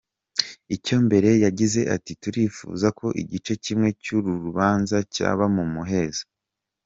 Icya mbere yagize ati “Turifuza ko igice kimwe cy’uru rubanza cyaba mu muhezo”.